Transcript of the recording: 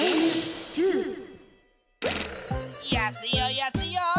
やすいよやすいよ。